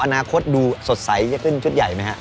อนาคตดูสดใสจะขึ้นชุดใหญ่ไหมฮะ